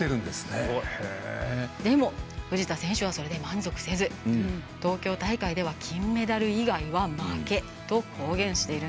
でも、藤田選手はそれで満足せず東京大会では金メダル以外は負けと公言しているんです。